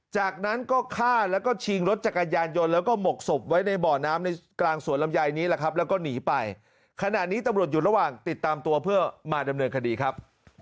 จากนั้นก็ฆ่าแล้วก็ชิงรถจักรยานยนต์แล้วก็หมกศพไว้ในบ่อน้ำในกลางสวนลำไยนี้แหละครับแล้วก็หนีไปขณะนี้ตำรวจอยู่ระหว่างติดตามตัวเพื่อมาดำเนินคดีครับ